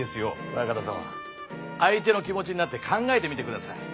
オヤカタ様相手の気持ちになって考えてみて下さい。